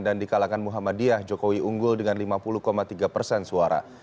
dan di kalangan muhammadiyah jokowi unggul dengan lima puluh tiga persen suara